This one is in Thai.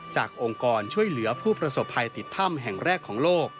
องค์กรช่วยเหลือผู้ประสบภัยติดถ้ำแห่งแรกของโลก